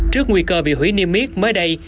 trước nguy cơ bị hủy niêm yếp mới đây